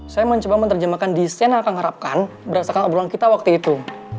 saya mencoba menerjemahkan desain yang akan diharapkan berdasarkan alur uang kita waktu itu